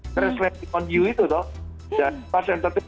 translating on you itu dan pasentet